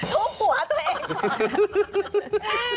ทุบหัวตัวเองก่อน